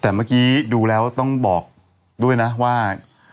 แต่เมื่อกี้ดูแล้วต้องบอกด้วยนะว่า